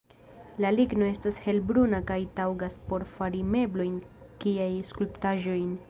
La ligno estas helbruna kaj taŭgas por fari meblojn kiaj skulptaĵojn.